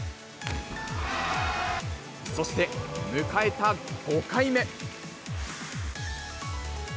そして、迎えた５回目。